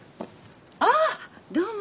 あっどうも。